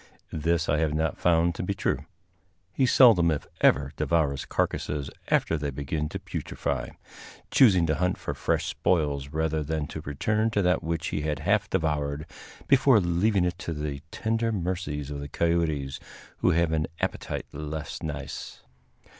This I have not found to be true. He seldom if ever devours carcasses after they begin to putrify, choosing to hunt for fresh spoils rather than to return to that which he had half devoured, before leaving it to the tender mercies of the coyotes, who have an appetite less nice.